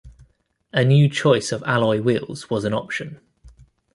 A new choice of alloy wheels was an option.